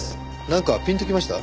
なんかピンときました？